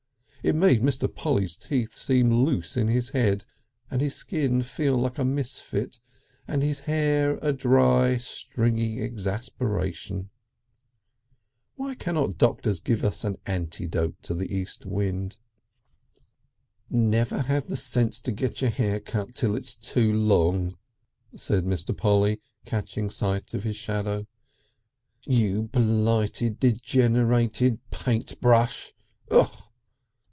It made Mr. Polly's teeth seem loose in his head, and his skin feel like a misfit, and his hair a dry, stringy exasperation.... Why cannot doctors give us an antidote to the east wind? "Never have the sense to get your hair cut till it's too long," said Mr. Polly catching sight of his shadow, "you blighted, degenerated Paintbrush! Ugh!"